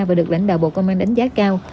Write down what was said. và được lãnh đạo bộ công an đánh giá cao